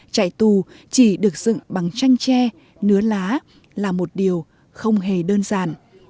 chạy tù chỉ được dựng bằng chanh tre nứa lá là một điều không hề đơn giản